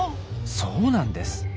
そうなんです。